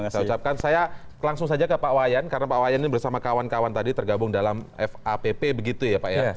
saya ucapkan saya langsung saja ke pak wayan karena pak wayan ini bersama kawan kawan tadi tergabung dalam vap begitu ya pak ya